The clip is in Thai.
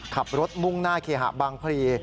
ขับรถมุ่งหน้าเคฮะบางพรี